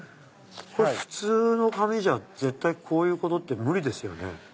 普通の紙じゃ絶対こういうことって無理ですよね。